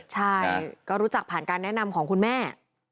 ใช่ก็รู้จักผ่านการแนะนำของคุณแม่